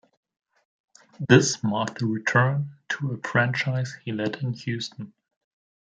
This marked a return to a franchise he led in Houston.